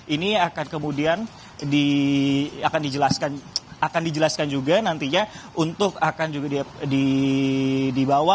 ini akan kemudian akan dijelaskan juga nantinya untuk akan juga dibawa